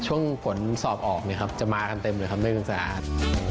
ซึ่งผลสอบออกจะมากันเต็มเลยครับไม่เป็นสะอาด